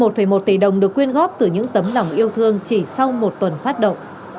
một một tỷ đồng được quyên góp từ những tấm lòng yêu thương chỉ sau một tuần phát động